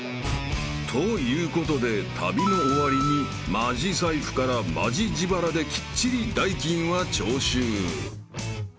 ［ということで旅の終わりにマジ財布からマジ自腹できっちり代金は徴収］